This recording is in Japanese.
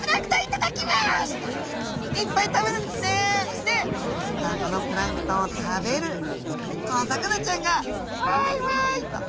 そして今度はこのプランクトンを食べる小魚ちゃんが「ワイワイ」と。